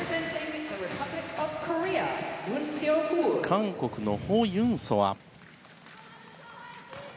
韓国のホ・ユンソア。